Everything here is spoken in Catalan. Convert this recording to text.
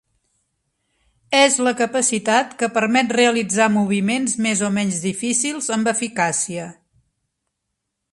És la capacitat que permet realitzar moviments més o menys difícils amb eficàcia.